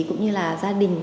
cũng như là gia đình